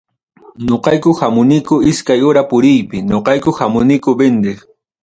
Noqayku hamuniku iskay hora puriypi, noqayku hamuniku vendeq.